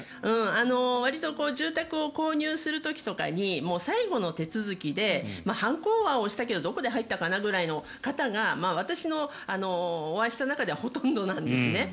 わりと住宅を購入する時とかに最後の手続きで判子は押したけどどこで入ったかなぐらいの方が私のお会いした中ではほとんどなんですね。